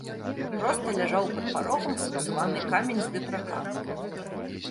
Проста ляжаў пад парогам сапсаваны камень з ветрака.